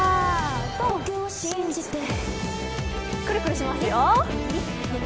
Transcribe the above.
くるくるしますよ。